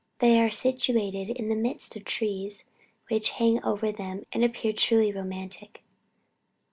They are situated in the midst of trees which hang over them and appear truly romantic.